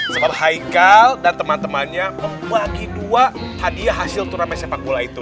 sama haical dan teman temannya membagi dua hadiah hasil turamai sepak bola itu